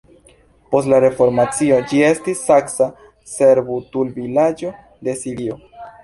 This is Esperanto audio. Post la reformacio ĝi estis saksa servutulvilaĝo de Sibio.